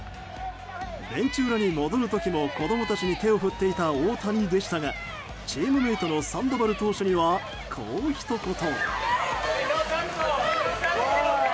ベンチ裏に戻る時も子供たちに手を振っていた大谷でしたが、チームメートのサンドバル投手にはこうひと言。